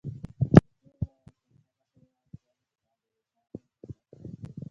ایټور وویل، ته صبر شه، یو ځلي ستاسو د لټانو نوبت راشي.